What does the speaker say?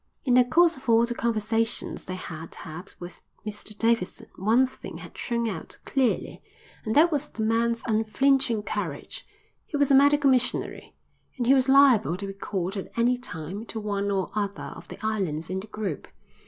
In the course of all the conversations they had had with Mr Davidson one thing had shone out clearly and that was the man's unflinching courage. He was a medical missionary, and he was liable to be called at any time to one or other of the islands in the group.